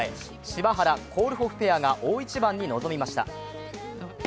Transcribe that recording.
柴原・コールホフペアが大一番に臨みました。